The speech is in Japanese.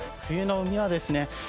冬の海はですね